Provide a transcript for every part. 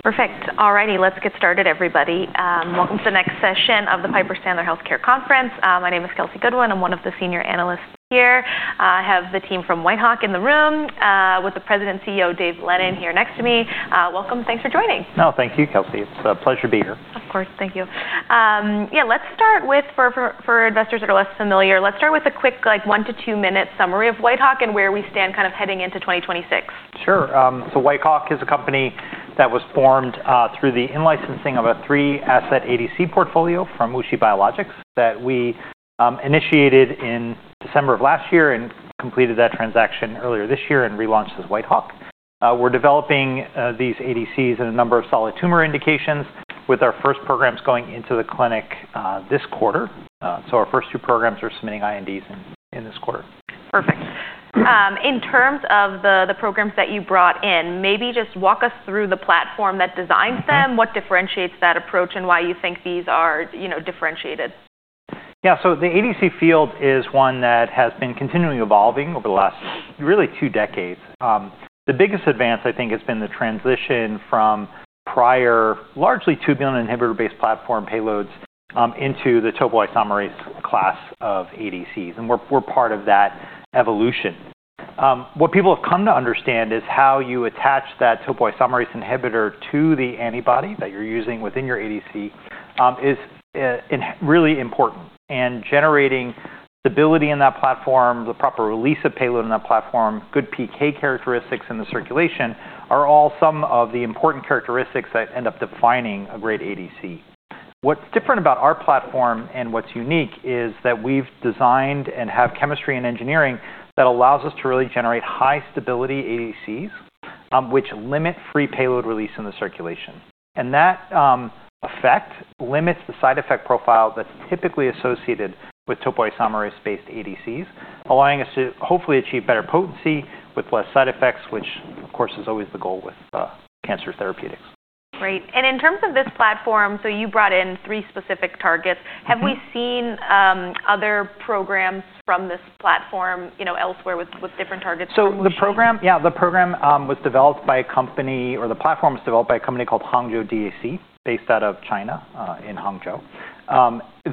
Okay, got it. Perfect. All righty, let's get started, everybody. Welcome to the next session of the Piper Sandler Healthcare Conference. My name is Kelsey Goodwin. I'm one of the senior analysts here. I have the team from Whitehawk in the room with the President and CEO, Dave Lennon, here next to me. Welcome. Thanks for joining. No, thank you, Kelsey. It's a pleasure to be here. Of course. Thank you. Yeah, let's start with, for investors that are less familiar, let's start with a quick one- to two-minute summary of Whitehawk and where we stand kind of heading into 2026. Sure. So Whitehawk is a company that was formed through the in-licensing of a three-asset ADC portfolio from WuXi Biologics that we initiated in December of last year and completed that transaction earlier this year and relaunched as Whitehawk. We're developing these ADCs in a number of solid tumor indications with our first programs going into the clinic this quarter. So our first two programs are submitting INDs in this quarter. Perfect. In terms of the programs that you brought in, maybe just walk us through the platform that designs them, what differentiates that approach, and why you think these are differentiated. Yeah, so the ADC field is one that has been continually evolving over the last really two decades. The biggest advance, I think, has been the transition from prior, largely tubulin inhibitor-based platform payloads into the topoisomerase class of ADCs. And we're part of that evolution. What people have come to understand is how you attach that topoisomerase inhibitor to the antibody that you're using within your ADC is really important. And generating stability in that platform, the proper release of payload in that platform, good PK characteristics in the circulation are all some of the important characteristics that end up defining a great ADC. What's different about our platform and what's unique is that we've designed and have chemistry and engineering that allows us to really generate high-stability ADCs which limit free payload release in the circulation. That effect limits the side effect profile that's typically associated with topoisomerase-based ADCs, allowing us to hopefully achieve better potency with less side effects, which, of course, is always the goal with cancer therapeutics. Great. And in terms of this platform, so you brought in three specific targets. Have we seen other programs from this platform elsewhere with different targets? Yeah, the program was developed by a company, or the platform was developed by a company called Hangzhou DAC, based out of China in Hangzhou.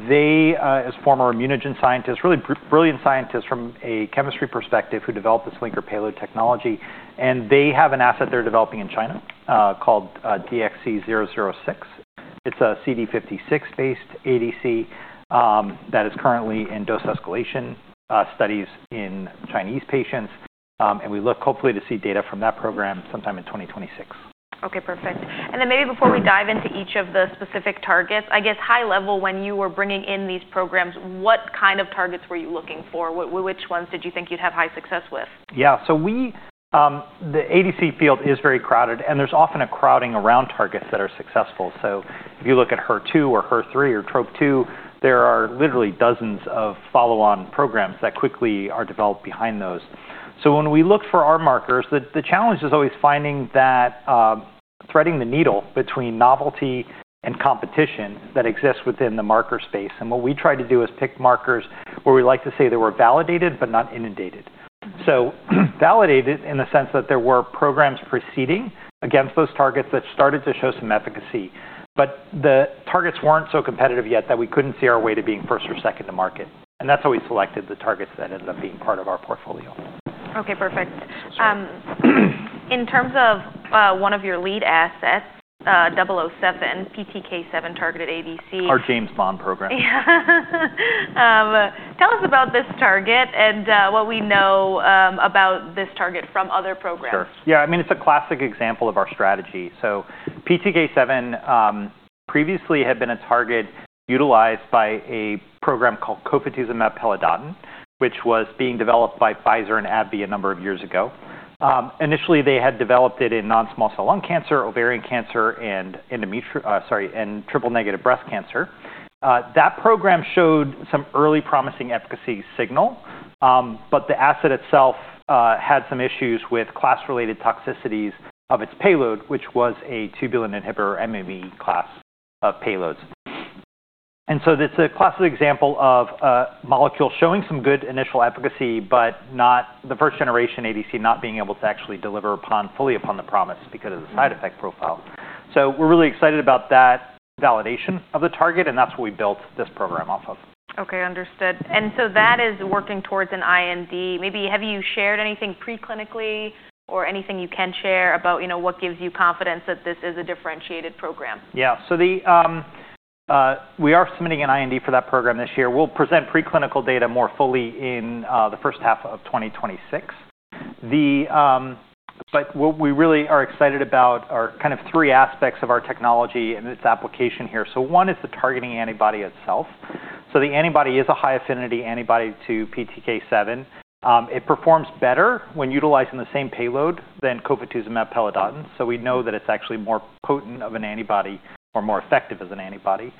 They, as former ImmunoGen scientists, really brilliant scientists from a chemistry perspective, who developed this linker payload technology. And they have an asset they're developing in China called DXC006. It's a CD56-based ADC that is currently in dose escalation studies in Chinese patients. And we look, hopefully, to see data from that program sometime in 2026. Okay, perfect. And then maybe before we dive into each of the specific targets, I guess high level, when you were bringing in these programs, what kind of targets were you looking for? Which ones did you think you'd have high success with? Yeah, so the ADC field is very crowded, and there's often a crowding around targets that are successful. So if you look at HER2 or HER3 or TRP-2, there are literally dozens of follow-on programs that quickly are developed behind those. So when we look for our markers, the challenge is always finding that threading the needle between novelty and competition that exists within the marker space. And what we try to do is pick markers where we like to say they were validated but not inundated. So validated in the sense that there were programs proceeding against those targets that started to show some efficacy. But the targets weren't so competitive yet that we couldn't see our way to being first or second to market. And that's how we selected the targets that ended up being part of our portfolio. Okay, perfect. In terms of one of your lead assets, 007, PTK7 targeted ADC. Our James Bond program. Yeah. Tell us about this target and what we know about this target from other programs? Sure. Yeah, I mean, it's a classic example of our strategy, so PTK7 previously had been a target utilized by a program called Cofetizumab Pelidotin, which was being developed by Pfizer and AbbVie a number of years ago. Initially, they had developed it in non-small cell lung cancer, ovarian cancer, and triple-negative breast cancer. That program showed some early promising efficacy signal, but the asset itself had some issues with class-related toxicities of its payload, which was a tubulin inhibitor MMAE class of payloads, and so it's a classic example of a molecule showing some good initial efficacy, but the first-generation ADC not being able to actually deliver fully upon the promise because of the side effect profile, so we're really excited about that validation of the target, and that's what we built this program off of. Okay, understood, and so that is working towards an IND. Maybe have you shared anything preclinically or anything you can share about what gives you confidence that this is a differentiated program? Yeah, so we are submitting an IND for that program this year. We'll present preclinical data more fully in the first half of 2026. But what we really are excited about are kind of three aspects of our technology and its application here. So one is the targeting antibody itself. So the antibody is a high-affinity antibody to PTK7. It performs better when utilizing the same payload than cofetizumab pelidotin. So we know that it's actually more potent of an antibody or more effective as an antibody.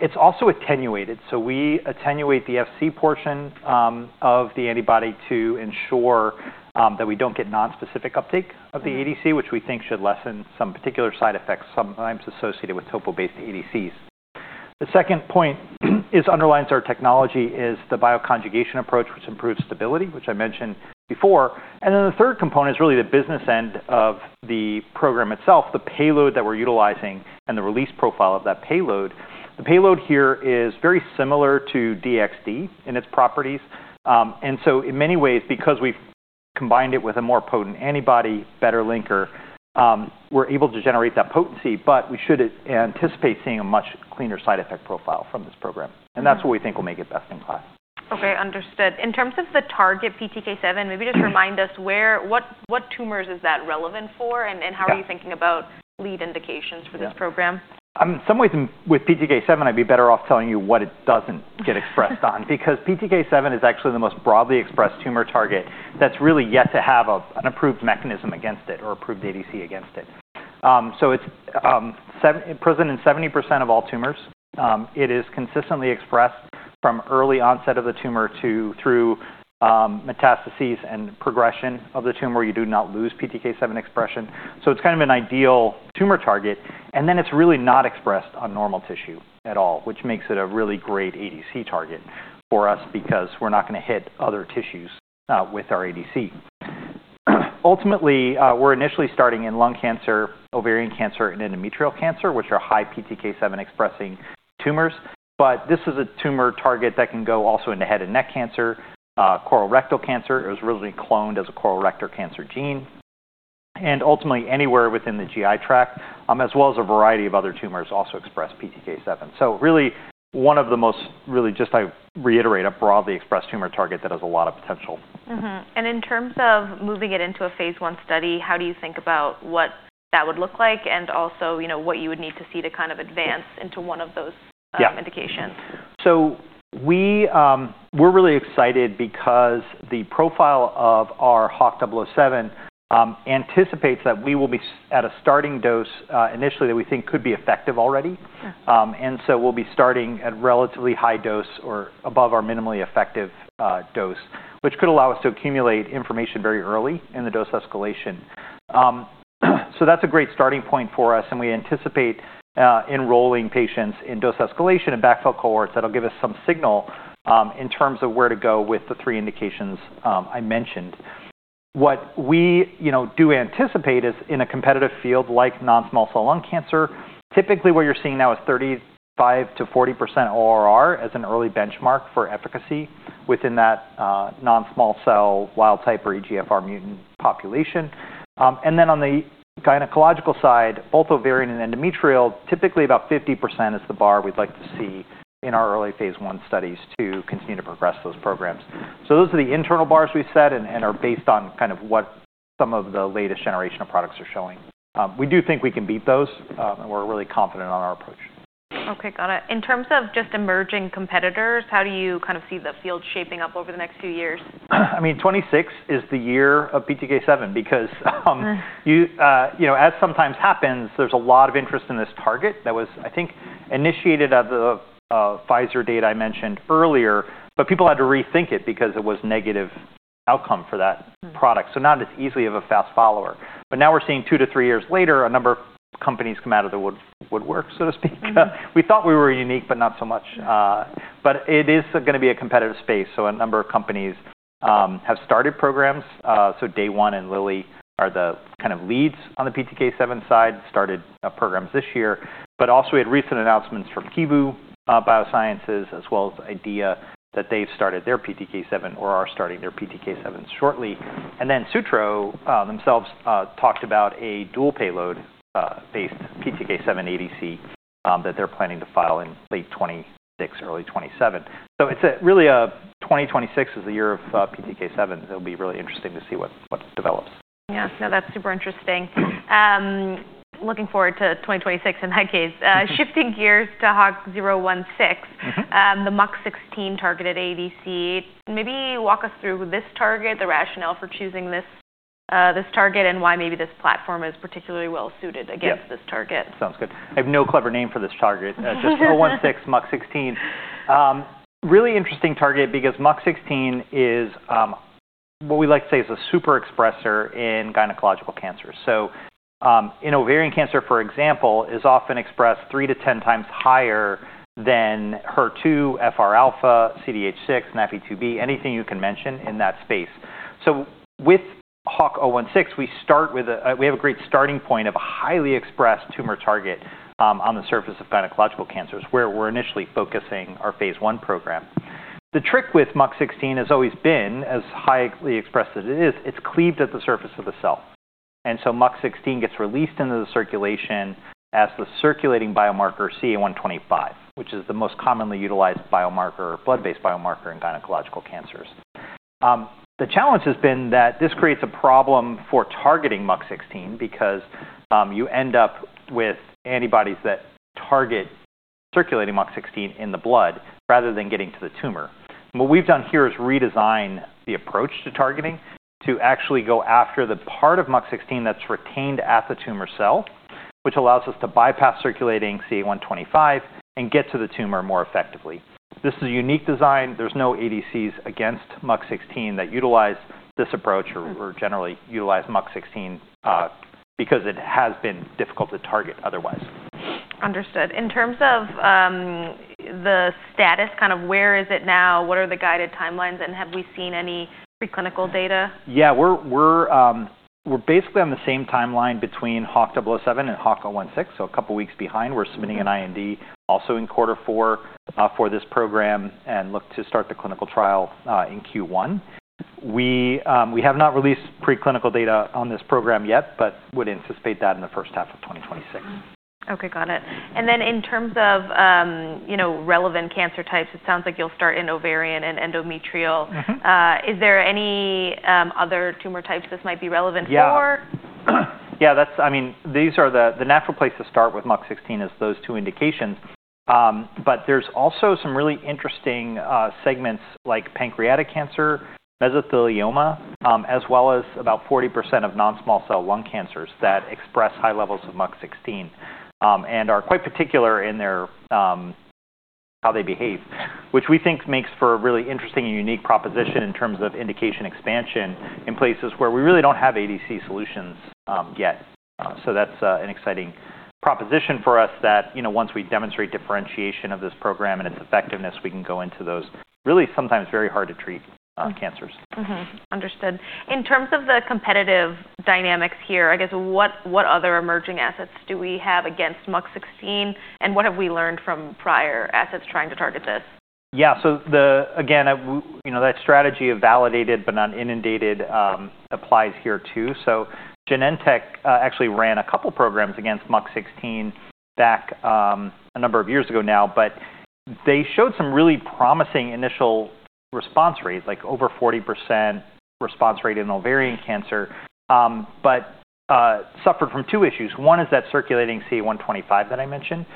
It's also attenuated. So we attenuate the FC portion of the antibody to ensure that we don't get non-specific uptake of the ADC, which we think should lessen some particular side effects sometimes associated with topo-based ADCs. The second point that underlines our technology is the bioconjugation approach, which improves stability, which I mentioned before. And then the third component is really the business end of the program itself, the payload that we're utilizing and the release profile of that payload. The payload here is very similar to DXd in its properties. And so in many ways, because we've combined it with a more potent antibody, better linker, we're able to generate that potency, but we should anticipate seeing a much cleaner side effect profile from this program. And that's what we think will make it best in class. Okay, understood. In terms of the target PTK7, maybe just remind us, what tumors is that relevant for, and how are you thinking about lead indications for this program? In some ways, with PTK7, I'd be better off telling you what it doesn't get expressed on because PTK7 is actually the most broadly expressed tumor target that's really yet to have an approved mechanism against it or approved ADC against it. So it's present in 70% of all tumors. It is consistently expressed from early onset of the tumor through metastases and progression of the tumor. You do not lose PTK7 expression. So it's kind of an ideal tumor target, and then it's really not expressed on normal tissue at all, which makes it a really great ADC target for us because we're not going to hit other tissues with our ADC. Ultimately, we're initially starting in lung cancer, ovarian cancer, and endometrial cancer, which are high PTK7-expressing tumors, but this is a tumor target that can go also into head and neck cancer, colorectal cancer. It was originally cloned as a colorectal cancer gene, and ultimately, anywhere within the GI tract, as well as a variety of other tumors, also express PTK7, so really, one of the most, really just to reiterate, a broadly expressed tumor target that has a lot of potential. In terms of moving it into a phase one study, how do you think about what that would look like and also what you would need to see to kind of advance into one of those indications? Yeah. So we're really excited because the profile of our HWK-007 anticipates that we will be at a starting dose initially that we think could be effective already. And so we'll be starting at a relatively high dose or above our minimally effective dose, which could allow us to accumulate information very early in the dose escalation. So that's a great starting point for us. And we anticipate enrolling patients in dose escalation and backfill cohorts that'll give us some signal in terms of where to go with the three indications I mentioned. What we do anticipate is in a competitive field like non-small cell lung cancer, typically what you're seeing now is 35%-40% ORR as an early benchmark for efficacy within that non-small cell wild type or EGFR mutant population. And then on the gynecological side, both ovarian and endometrial, typically about 50% is the bar we'd like to see in our early phase one studies to continue to progress those programs. So those are the internal bars we set and are based on kind of what some of the latest generation of products are showing. We do think we can beat those, and we're really confident on our approach. Okay, got it. In terms of just emerging competitors, how do you kind of see the field shaping up over the next few years? I mean, 2026 is the year of PTK7 because, as sometimes happens, there's a lot of interest in this target that was, I think, initiated at the Pfizer data I mentioned earlier, but people had to rethink it because it was a negative outcome for that product. So not as easily of a fast follower. But now we're seeing two to three years later, a number of companies come out of the woodwork, so to speak. We thought we were unique, but not so much. But it is going to be a competitive space. So a number of companies have started programs. So Day One and Lilly are the kind of leads on the PTK7 side, started programs this year. But also we had recent announcements from Kivu Bioscience as well as IDEAYA that they've started their PTK7 or are starting their PTK7 shortly. And then Sutro themselves talked about a dual payload-based PTK7 ADC that they're planning to file in late 2026, early 2027. So really, 2026 is the year of PTK7. It'll be really interesting to see what develops. Yeah, no, that's super interesting. Looking forward to 2026 in that case. Shifting gears to HWK-016, the MUC16-targeted ADC. Maybe walk us through this target, the rationale for choosing this target, and why maybe this platform is particularly well suited against this target? Yeah, sounds good. I have no clever name for this target. Just 016, MUC16. Really interesting target because MUC16 is what we like to say is a super expressor in gynecological cancers. So in ovarian cancer, for example, is often expressed 3 to 10 times higher than HER2, FRα, CDH6, NaPi2b, anything you can mention in that space. So with HWK-016, we have a great starting point of a highly expressed tumor target on the surface of gynecological cancers where we're initially focusing our phase one program. The trick with MUC16 has always been, as highly expressed as it is, it's cleaved at the surface of the cell. And so MUC16 gets released into the circulation as the circulating biomarker CA125, which is the most commonly utilized biomarker, blood-based biomarker in gynecological cancers. The challenge has been that this creates a problem for targeting MUC16 because you end up with antibodies that target circulating MUC16 in the blood rather than getting to the tumor. What we've done here is redesign the approach to targeting to actually go after the part of MUC16 that's retained at the tumor cell, which allows us to bypass circulating CA125 and get to the tumor more effectively. This is a unique design. There's no ADCs against MUC16 that utilize this approach or generally utilize MUC16 because it has been difficult to target otherwise. Understood. In terms of the status, kind of where is it now? What are the guided timelines? And have we seen any preclinical data? Yeah, we're basically on the same timeline between HWK-007 and HWK-016. So a couple of weeks behind. We're submitting an IND also in quarter four for this program, and look to start the clinical trial in Q1. We have not released preclinical data on this program yet, but would anticipate that in the first half of 2026. Okay, got it. And then in terms of relevant cancer types, it sounds like you'll start in ovarian and endometrial. Is there any other tumor types this might be relevant for? Yeah. Yeah, I mean, the natural place to start with MUC16 is those two indications. But there's also some really interesting segments like pancreatic cancer, mesothelioma, as well as about 40% of non-small cell lung cancers that express high levels of MUC16 and are quite particular in how they behave, which we think makes for a really interesting and unique proposition in terms of indication expansion in places where we really don't have ADC solutions yet. So that's an exciting proposition for us that once we demonstrate differentiation of this program and its effectiveness, we can go into those really sometimes very hard to treat cancers. Understood. In terms of the competitive dynamics here, I guess what other emerging assets do we have against MUC16, and what have we learned from prior assets trying to target this? Yeah, so again, that strategy of validated but not inundated applies here too. So Genentech actually ran a couple of programs against MUC16 back a number of years ago now, but they showed some really promising initial response rates, like over 40% response rate in ovarian cancer, but suffered from two issues. One is that circulating CA125 that I mentioned.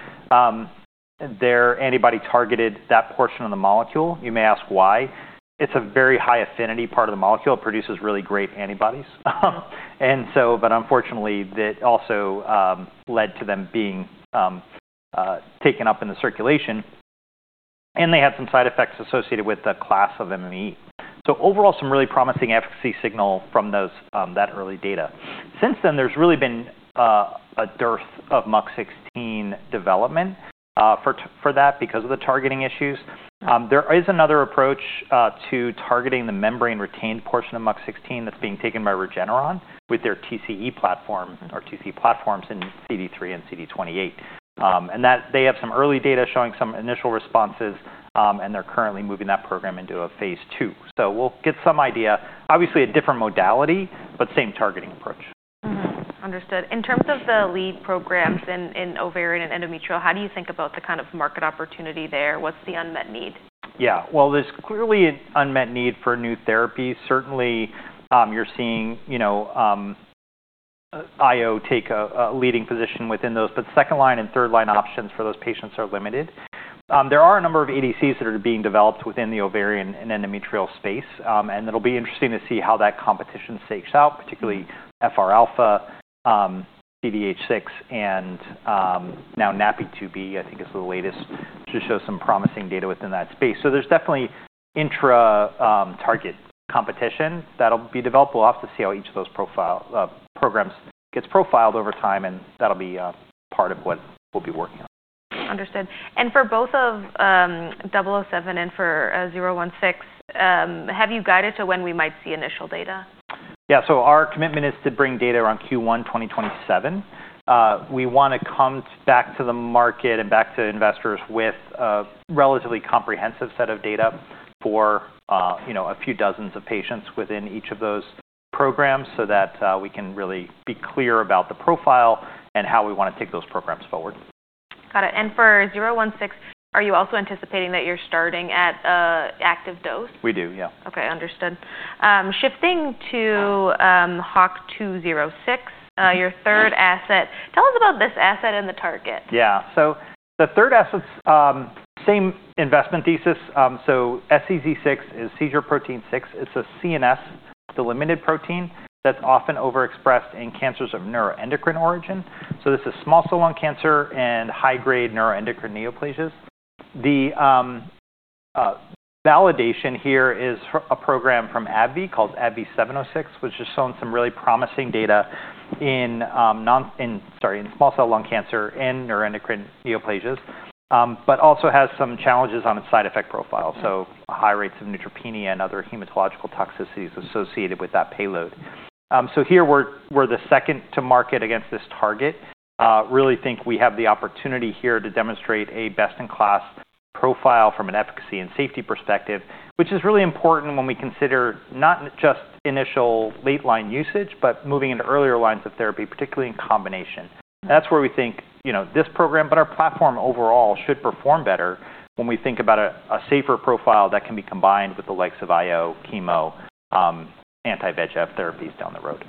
Their antibody targeted that portion of the molecule. You may ask why? It's a very high affinity part of the molecule. It produces really great antibodies. But unfortunately, that also led to them being taken up in the circulation, and they had some side effects associated with the class of MME. So overall, some really promising efficacy signal from that early data. Since then, there's really been a dearth of MUC16 development for that because of the targeting issues. There is another approach to targeting the membrane retained portion of MUC16 that's being taken by Regeneron with their TCE platform or TCE platforms in CD3 and CD28. And they have some early data showing some initial responses, and they're currently moving that program into a phase two. So we'll get some idea. Obviously, a different modality, but same targeting approach. Understood. In terms of the lead programs in ovarian and endometrial, how do you think about the kind of market opportunity there? What's the unmet need? Yeah, well, there's clearly an unmet need for new therapies. Certainly, you're seeing IO take a leading position within those, but second line and third line options for those patients are limited. There are a number of ADCs that are being developed within the ovarian and endometrial space, and it'll be interesting to see how that competition stakes out, particularly FRα, CDH6, and now NaPi2b, I think is the latest, to show some promising data within that space. So there's definitely intra-target competition that'll be developed. We'll have to see how each of those programs gets profiled over time, and that'll be part of what we'll be working on. Understood. And for both of 007 and for 016, have you guided to when we might see initial data? Yeah, so our commitment is to bring data around Q1 2027. We want to come back to the market and back to investors with a relatively comprehensive set of data for a few dozens of patients within each of those programs so that we can really be clear about the profile and how we want to take those programs forward. Got it. And for 016, are you also anticipating that you're starting at an active dose? We do, yeah. Okay, understood. Shifting to HWK-206, your third asset. Tell us about this asset and the target. Yeah, so the third asset's same investment thesis. So SEZ6 is seizure protein 6. It's a CNS transmembrane protein that's often overexpressed in cancers of neuroendocrine origin. So this is small cell lung cancer and high-grade neuroendocrine neoplasia. The validation here is a program from AbbVie called ABBV-706, which has shown some really promising data in small cell lung cancer and neuroendocrine neoplasia, but also has some challenges on its side effect profile. So high rates of neutropenia and other hematological toxicities associated with that payload. So here we're the second to market against this target. Really think we have the opportunity here to demonstrate a best-in-class profile from an efficacy and safety perspective, which is really important when we consider not just initial late-line usage, but moving into earlier lines of therapy, particularly in combination. That's where we think this program, but our platform overall, should perform better when we think about a safer profile that can be combined with the likes of IO, chemo, anti-VEGF therapies down the road.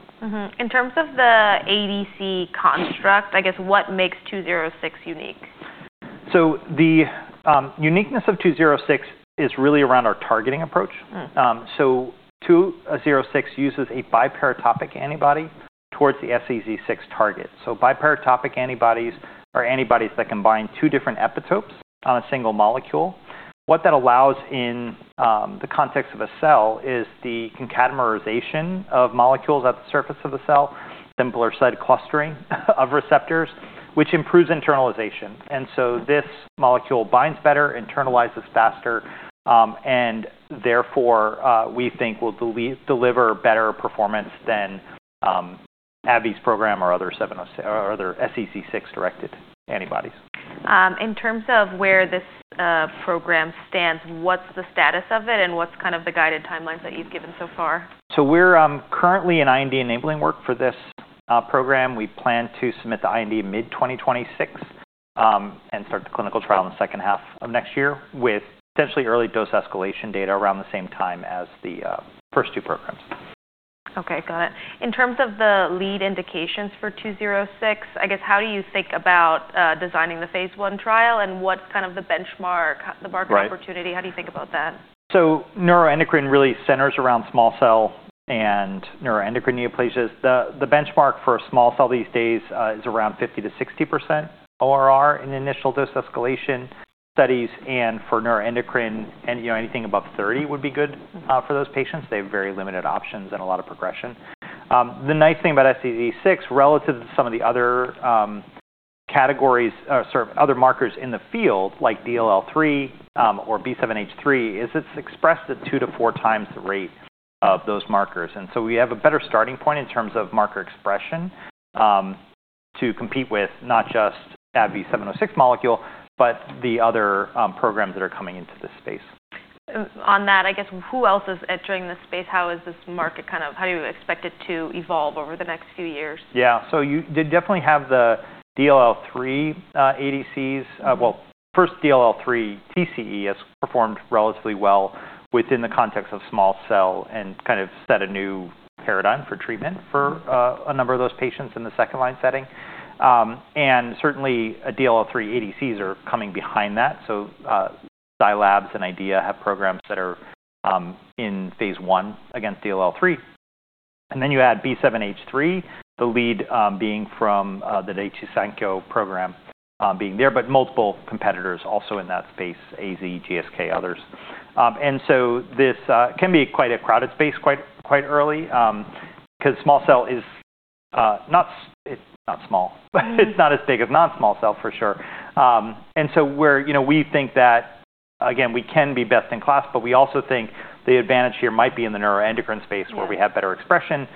In terms of the ADC construct, I guess what makes 206 unique? The uniqueness of 206 is really around our targeting approach. 206 uses a biparatopic antibody towards the SEZ6 target. Biparatopic antibodies are antibodies that combine two different epitopes on a single molecule. What that allows in the context of a cell is the concatenation of molecules at the surface of the cell, simple side-by-side clustering of receptors, which improves internalization. This molecule binds better, internalizes faster, and therefore we think will deliver better performance than AbbVie's program or other SEZ6-directed antibodies. In terms of where this program stands, what's the status of it and what's kind of the guided timelines that you've given so far? We're currently in IND enabling work for this program. We plan to submit the IND mid-2026 and start the clinical trial in the second half of next year with potentially early dose escalation data around the same time as the first two programs. Okay, got it. In terms of the lead indications for 206, I guess how do you think about designing the phase 1 trial and what's kind of the benchmark, the market opportunity? How do you think about that? So neuroendocrine really centers around small cell and neuroendocrine neoplasia. The benchmark for small cell these days is around 50%-60% ORR in initial dose escalation studies, and for neuroendocrine, anything above 30% would be good for those patients. They have very limited options and a lot of progression. The nice thing about SEZ6 relative to some of the other categories, or other markers in the field, like DLL3 or B7-H3, is it's expressed at two to four times the rate of those markers. And so we have a better starting point in terms of marker expression to compete with not just ABBV-706 molecule, but the other programs that are coming into this space. On that, I guess, who else is entering this space? How is this market, kind of, how do you expect it to evolve over the next few years? Yeah, so you definitely have the DLL3 ADCs. Well, first DLL3 TCE has performed relatively well within the context of small cell and kind of set a new paradigm for treatment for a number of those patients in the second line setting. And certainly, DLL3 ADCs are coming behind that. So Zai Lab and IDEAYA have programs that are in phase one against DLL3. And then you add B7-H3, the lead being from the Daiichi Sankyo program being there, but multiple competitors also in that space, AZ, GSK, others. And so this can be quite a crowded space quite early because small cell is not small. It's not as big as non-small cell for sure. And so we think that, again, we can be best in class, but we also think the advantage here might be in the neuroendocrine space where we have better expression,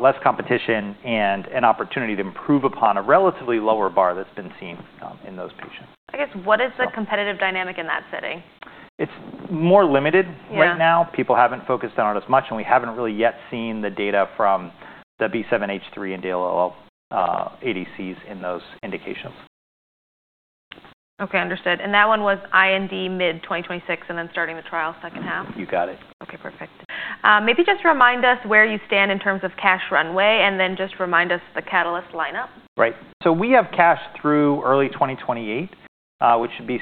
less competition, and an opportunity to improve upon a relatively lower bar that's been seen in those patients. I guess what is the competitive dynamic in that setting? It's more limited right now. People haven't focused on it as much, and we haven't really yet seen the data from the B7-H3 and DLL3 ADCs in those indications. Okay, understood. And that one was IND mid-2026 and then starting the trial second half? You got it. Okay, perfect. Maybe just remind us where you stand in terms of cash runway and then just remind us the catalyst lineup? Right. So we have cash through early 2028, which should be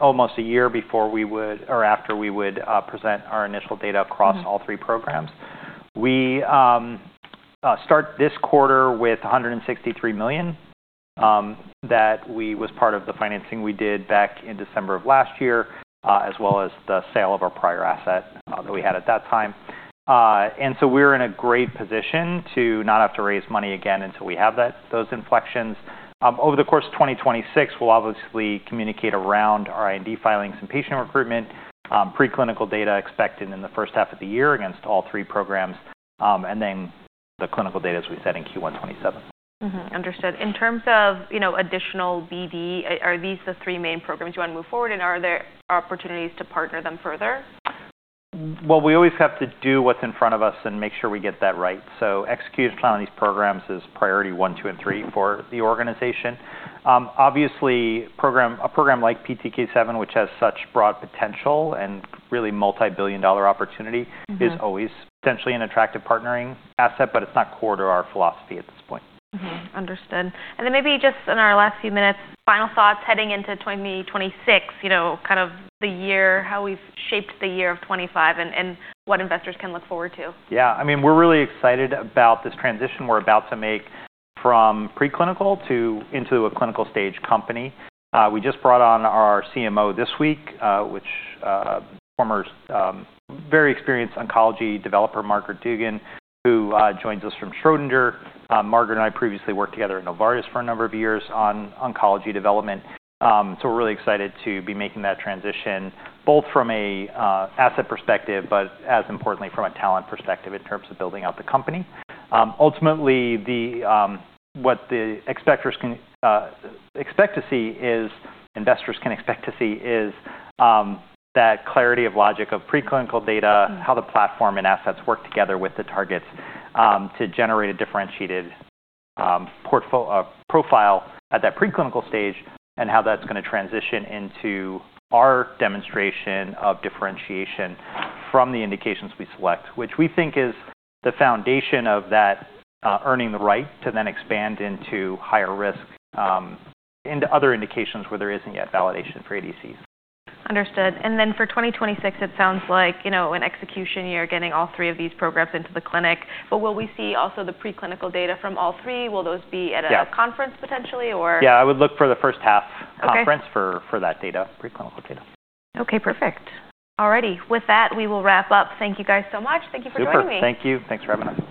almost a year before we would or after we would present our initial data across all three programs. We start this quarter with $163 million that was part of the financing we did back in December of last year, as well as the sale of our prior asset that we had at that time, so we're in a great position to not have to raise money again until we have those inflections. Over the course of 2026, we'll obviously communicate around our IND filings and patient recruitment, preclinical data expected in the first half of the year against all three programs, and then the clinical data as we said in Q1 2027. Understood. In terms of additional BD, are these the three main programs you want to move forward, and are there opportunities to partner them further? We always have to do what's in front of us and make sure we get that right. So executing plan on these programs is priority one, two, and three for the organization. Obviously, a program like PTK7, which has such broad potential and really multi-billion-dollar opportunity, is always potentially an attractive partnering asset, but it's not core to our philosophy at this point. Understood. And then maybe just in our last few minutes, final thoughts heading into 2026, kind of the year, how we've shaped the year of 2025 and what investors can look forward to. Yeah, I mean, we're really excited about this transition we're about to make from preclinical into a clinical stage company. We just brought on our CMO this week, a former very experienced oncology developer, Margaret Dugan, who joins us from Schrödinger. Margaret and I previously worked together at Novartis for a number of years on oncology development, so we're really excited to be making that transition both from an asset perspective, but as importantly from a talent perspective in terms of building out the company. Ultimately, investors can expect to see that clarity of logic of preclinical data, how the platform and assets work together with the targets to generate a differentiated profile at that preclinical stage, and how that's going to transition into our demonstration of differentiation from the indications we select, which we think is the foundation of that earning the right to then expand into higher risk into other indications where there isn't yet validation for ADCs. Understood. And then for 2026, it sounds like an execution year getting all three of these programs into the clinic. But will we see also the preclinical data from all three? Will those be at a conference potentially, or? Yeah, I would look for the first half conference for that data, preclinical data. Okay, perfect. All righty. With that, we will wrap up. Thank you guys so much. Thank you for joining me. Thank you. Thanks for having us.